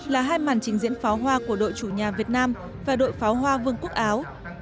là hai màn trình diễn pháo hoa của đội chủ nhà việt nam và đội pháo hoa vương quốc áo